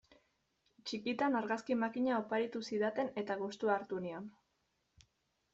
Txikitan argazki makina oparitu zidaten eta gustua hartu nion.